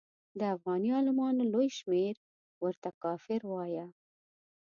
د افغاني عالمانو لوی شمېر ورته کافر وایه.